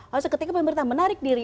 langsung ketika pemerintah menarik diri